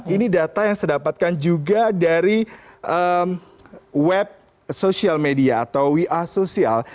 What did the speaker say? ini data yang saya dapatkan juga dari web sosial media atau we are social